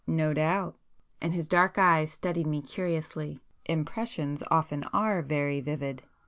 "No doubt!" And his dark eyes studied me curiously. "Impressions often are very vivid.